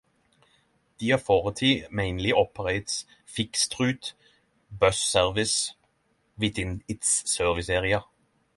The authority mainly operates fixed-route bus service within its service area.